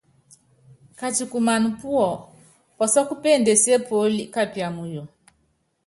Katikumana púɔ pɔsɔ́kɔ péndesié puóli kapia muyu.